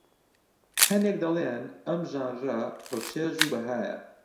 هەندێک دەڵێن ئەم ژانرە پڕ چێژ و بەهایە